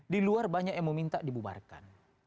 di luar banyak yang meminta dibubarkan